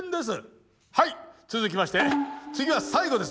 はい続きまして次は最後です。